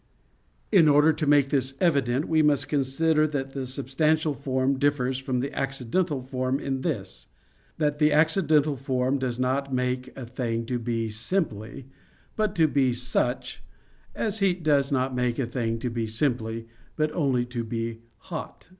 In order to make this evident, we must consider that the substantial form differs from the accidental form in this, that the accidental form does not make a thing to be "simply," but to be "such," as heat does not make a thing to be simply, but only to be hot.